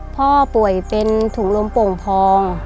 พ่อป่วยเป็นถุงลมโป่งพอง